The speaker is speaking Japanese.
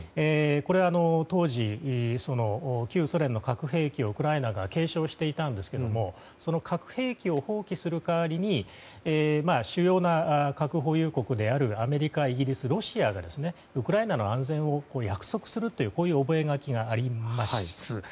これは当時、旧ソ連の核兵器をウクライナが継承していたんですけれどもその核兵器を放棄する代わりに主要な核保有国であるアメリカ、イギリス、ロシアがウクライナの安全を約束するという覚書があります。